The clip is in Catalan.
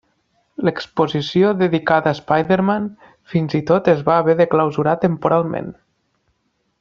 L'exposició dedicada a Spiderman fins i tot es va haver de clausurar temporalment.